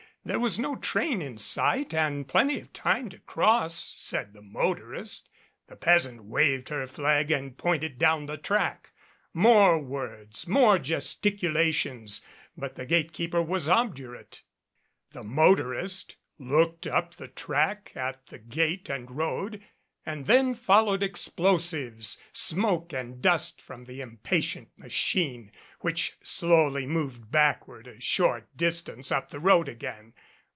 There was no train in sight and plenty of time to cross, said the mo torist. The peasant waved her flag and pointed down the track. More words, more gesticulations, but the gate keeper was obdurate. The motorist looked up the track and at the gate and road, and then followed explosives, smoke and dust from the impatient machine, which slowly moved backward a short distance up the road again.